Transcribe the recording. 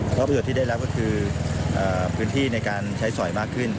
เพราะประโยชน์ที่ได้รับก็คือพื้นที่ในการใช้สอยมากขึ้น